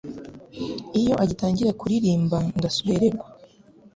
iyo agitangira kuririmba ndasuhererwa